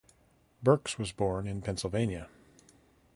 Birx was born in Pennsylvania.